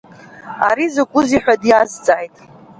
Ари закәызеи ҳәа дизҵааит.